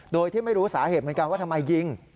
โดยที่ไม่รู้สาเหตุเหมือนกันว่าทำไมยิง